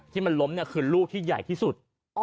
ที่มันล้มคือลูกที่ใหญ่ที่สุด